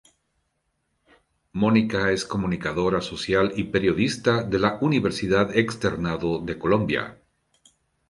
Mónica es Comunicadora social y periodista de la Universidad Externado de Colombia.